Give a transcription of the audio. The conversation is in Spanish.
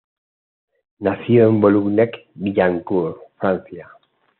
Nació en Boulogne-Billancourt, Francia.